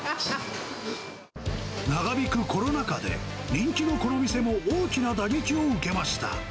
長引くコロナ禍で、人気のこの店も大きな打撃を受けました。